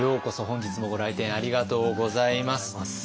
本日もご来店ありがとうございます。